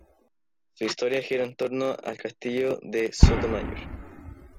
Su historia gira en torno al castillo de Sotomayor.